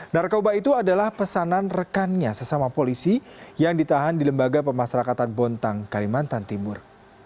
narkoba itu adalah pesanan rekannya sesama polisi yang ditahan di lembaga pemasarakatan bontang kalimantan timur